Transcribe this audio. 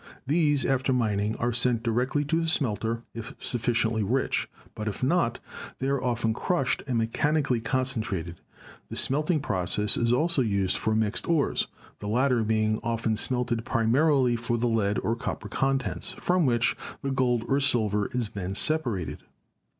These, after mining, are sent direct to the smelter if sufficiently rich, but if not they are often crushed and mechanically concentrated. The smelting process is also used for mixed ores, the latter being often smelted primarily for their lead or copper contents, from which the gold or silver is then separated.